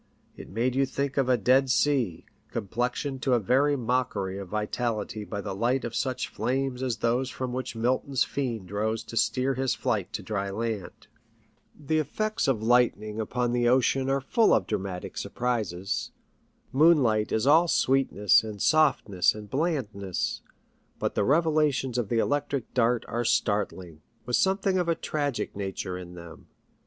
It made you think of a dead sea, com plexioned to a very mockery of vitality by the light of such flames as those from which Milton's Fiend rose to steer his flight to dry land. The effects of lightning upon the ocean are full of dramatic surprises. Moonlight is all sweetness and softness and blandness, but the revelations of the electric dart are startling, with something of a tragic nature in them.